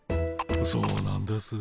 そうなんです。